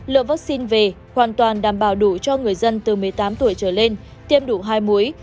lượng vaccine về hoàn toàn đảm bảo đủ cho người dân từ một mươi tám tuổi trở lên tiêm đủ hai muối